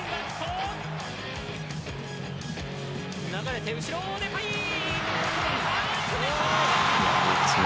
流れて後ろ、デパイ！